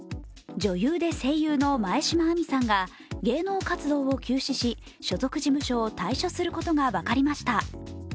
女優で声優の前島亜美さんが芸能活動を休止し所属事務所を退所することが分かりました。